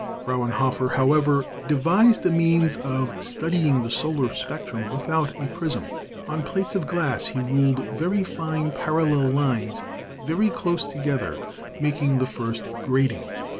Frauenhofer, however, devised a means of studying the solar spectrum without a prism. On plates of glass he ruled very fine parallel lines very close together, making the first grating.